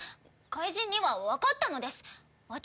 怪人にはわかったのです私